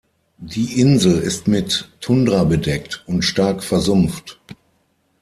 Die Insel ist mit Tundra bedeckt und stark versumpft.